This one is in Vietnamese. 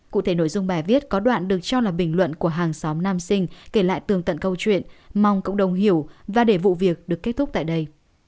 cụ thể nội dung bài viết có đoạn được cho là bình luận của hàng xóm nam sinh kể lại tường tận câu chuyện mong cộng đồng hiểu và để vụ việc được kết thúc tại đây